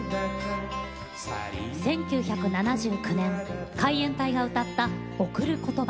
１９７９年海援隊が歌った「贈る言葉」。